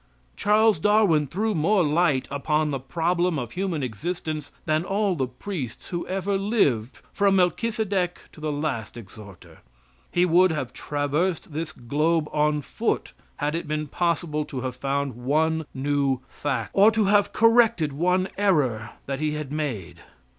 Charles Darwin threw more light upon the problem of human existence than all the priests who ever lived from Melchisedec to the last exhorter. He would have traversed this globe on foot had it been possible to have found one new fact or to have corrected one error that he had made.